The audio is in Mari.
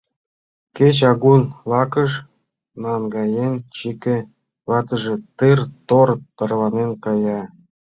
Кеч агун лакыш наҥгаен чыке, — ватыже тыр-тор тарванен кая.